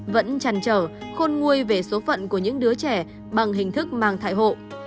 vẫn chẳng trở khôn nguôi về số phận của những đứa trẻ bằng hình thức mang thai hộ